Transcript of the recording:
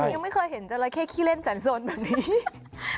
ยังไม่เคยเห็นจราเข้ขี้เล่นแสนสนแบบนี้